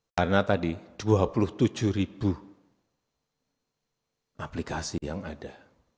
karena tadi dua puluh tujuh ribu aplikasi yang ada